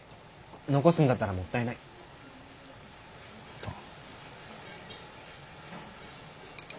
残すんだったらもったいないと。